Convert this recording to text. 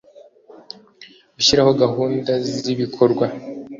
gushyiraho gahunda z’ibikorwa,